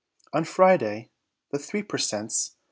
On Friday, the three per cents.